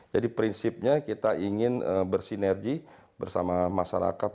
jadi prinsipnya kita ingin bersinergi bersama masyarakat